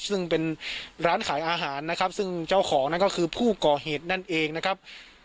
ซึ่งเป็นร้านขายอาหารนะครับซึ่งเจ้าของนั้นก็คือผู้ก่อเหตุนั่นเองนะครับ